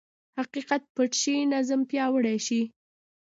حقیقت پټ شي، ظلم پیاوړی شي.